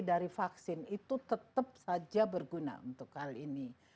dari vaksin itu tetap saja berguna untuk hal ini